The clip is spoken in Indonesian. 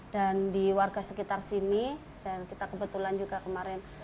dan di warga sekitar sini dan kita kebetulan juga kemarin